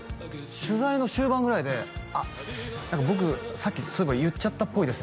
取材の終盤ぐらいで「僕さっきそういえば言っちゃったっぽいです」